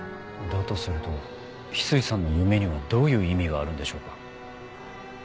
だとすると翡翠さんの夢にはどういう意味があるんでしょうか。